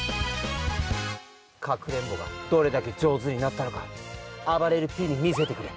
かくれんぼがどれだけじょうずになったのかあばれるＰにみせてくれ。